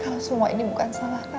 kalau semua ini bukan salah kamu